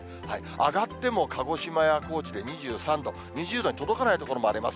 上がっても、鹿児島や高知で２３度、２０度に届かない所もあります。